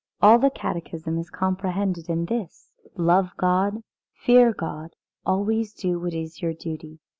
All the Catechism is comprehended in this: Love God, fear God, always do what is your duty.